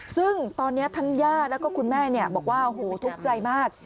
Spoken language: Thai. ซึ่งตอนนี้ทั้งญาติแล้วก็คุณแม่บอกว่าโอ้โหทุกข์ใจมาก